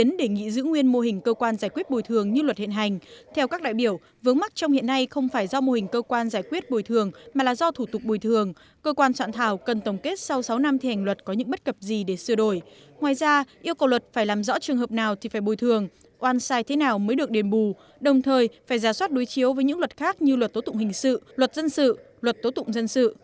các đại biểu đã đề nghị giữ nguyên mô hình cơ quan giải quyết bồi thường như luật hiện hành theo các đại biểu vướng mắt trong hiện nay không phải do mô hình cơ quan giải quyết bồi thường mà là do thủ tục bồi thường cơ quan soạn thảo cần tổng kết sau sáu năm thì hành luật có những bất cập gì để sửa đổi ngoài ra yêu cầu luật phải làm rõ trường hợp nào thì phải bồi thường oan sai thế nào mới được đền bù đồng thời phải giả soát đối chiếu với những luật khác như luật tố tụng hình sự luật dân sự luật tố tụng dân sự